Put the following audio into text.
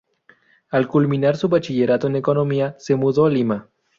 Al culminar su bachillerato en economía, se mudó a Lima.